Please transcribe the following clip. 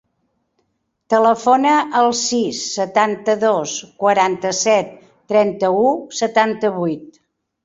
Telefona al sis, setanta-dos, quaranta-set, trenta-u, setanta-vuit.